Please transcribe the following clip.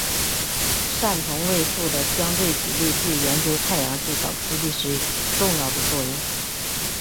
氙同位素的相对比例对研究太阳系早期历史有重要的作用。